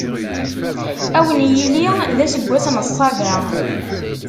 Ad wen-yili d aseggas n Ṣṣaba.